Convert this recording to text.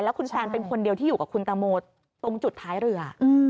คุณแซนเป็นคนเดียวที่อยู่กับคุณตังโมตรงจุดท้ายเรือ